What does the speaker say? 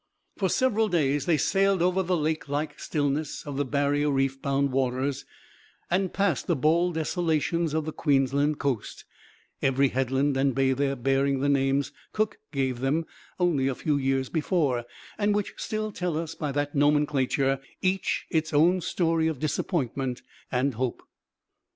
For several days they sailed over the lakelike stillness of the Barrier reef bound waters, and past the bold desolations of the Queensland coast, every headland and bay there bearing the names Cook gave them only a few years before, and which still tell us by that nomenclature each its own story of disappointment and hope.